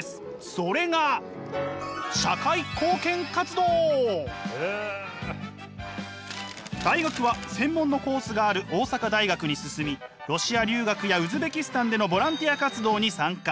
それが大学は専門のコースがある大阪大学に進みロシア留学やウズベキスタンでのボランティア活動に参加。